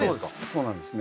そうなんです